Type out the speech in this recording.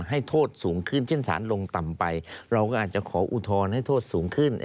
ให้โทษสูงขึ้นเช่นสารลงต่ำไปเราก็อาจจะขออุทธรณ์ให้โทษสูงขึ้น